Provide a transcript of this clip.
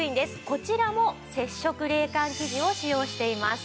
こちらも接触冷感生地を使用しています。